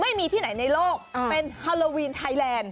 ไม่มีที่ไหนในโลกเป็นฮาโลวีนไทยแลนด